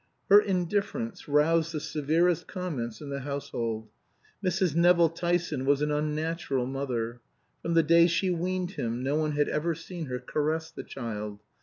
Her indifference roused the severest comments in the household. Mrs. Nevill Tyson was an unnatural mother. From the day she weaned him, no one had ever seen her caress the child.